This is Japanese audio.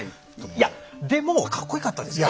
いやでもかっこよかったですよ。